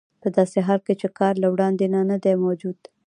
په داسې حال کې چې کار له وړاندې نه دی موجود